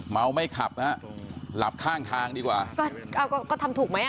เมาไม่ขับฮะหลับข้างทางดีกว่าก็เอาก็ก็ทำถูกไหมอ่ะ